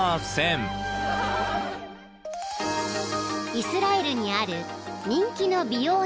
［イスラエルにある］